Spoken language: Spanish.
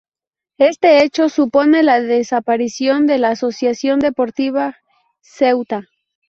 Este hecho supone la desaparición de la Asociación Deportiva Ceuta.